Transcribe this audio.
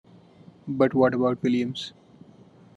But what about Williams?